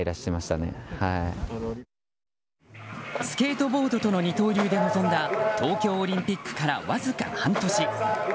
スケートボードとの二刀流で臨んだ東京オリンピックからわずか半年。